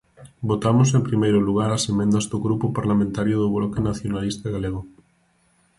Votamos en primeiro lugar as emendas do Grupo Parlamentario do Bloque Nacionalista Galego.